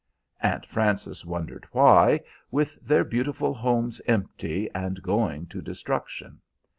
Aunt Frances wondered why, with their beautiful homes empty and going to destruction.